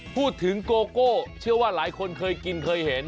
โกโก้เชื่อว่าหลายคนเคยกินเคยเห็น